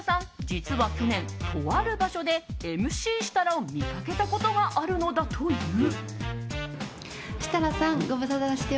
実は去年、とある場所でＭＣ設楽を見かけたことがあるのだという。